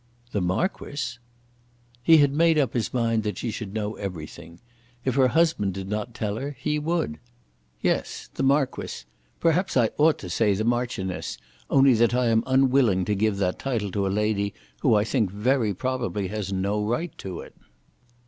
"The Marquis!" He had made up his mind that she should know everything. If her husband did not tell her, he would. "Yes, the Marquis. Perhaps I ought to say the Marchioness, only that I am unwilling to give that title to a lady who I think very probably has no right to it."